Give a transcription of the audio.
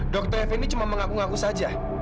dr effendi cuma mengaku ngaku saja